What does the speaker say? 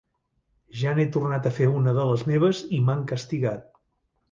Ja n'he tornat a fer una de les meves i m'han castigat.